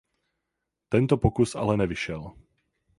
Tento pokus ale nevyšel.